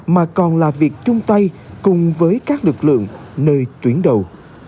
mà còn là việc chung tay cùng với các lực lượng nơi tuyến đầu